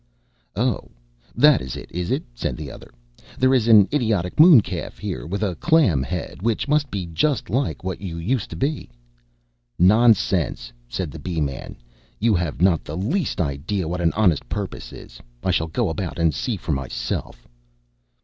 "Oh! that is it, is it?" said the other. "There is an idiotic moon calf here with a clam head, which must be just like what you used to be." "Nonsense," said the Bee man. "You have not the least idea what an honest purpose is. I shall go about, and see for myself."